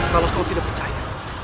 kalau kau tidak percaya